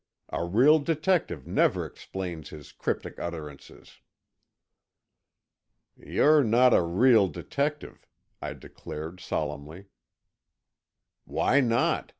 A real detective never explains his cryptic utterances." "You're not a real detective," I declared, solemnly. "Why not?"